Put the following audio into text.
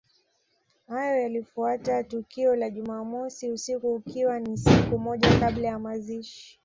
Hayo yalifuatia tukio la jumamosi usiku ikiwa ni siku moja kabla ya mazishi